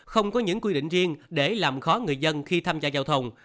không có những quy định riêng để làm khó người dân khi tham gia giao thông